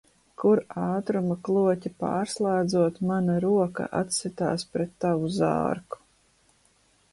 Kur ātruma kloķi pārslēdzot, mana roka atsitās pret tavu zārku.